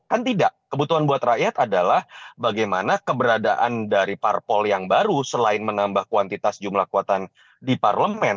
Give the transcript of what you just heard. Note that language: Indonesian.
kan tidak kebutuhan buat rakyat adalah bagaimana keberadaan dari parpol yang baru selain menambah kuantitas jumlah kuatan di parlemen